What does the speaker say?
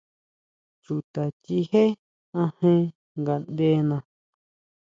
Chuta chijé ajen ngaʼndena.